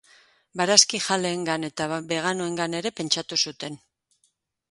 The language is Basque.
Barazkijaleengan eta beganoengan ere pentsatu zuten.